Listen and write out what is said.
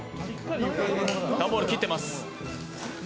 段ボール、切ってます。